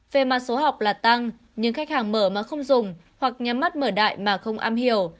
về mặt số học là tăng nhưng khách hàng mở mà không dùng hoặc nhắm mắt mở đại mà không am hiểu